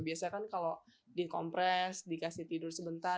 biasanya kan kalau dikompres dikasih tidur sebentar